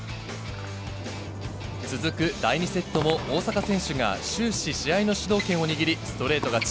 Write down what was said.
続く第２セットも、大坂選手が終始、試合の指導、主導権を握り、ストレート勝ち。